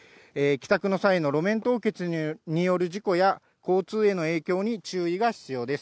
帰宅の際の路面凍結による事故や、交通への影響に注意が必要です。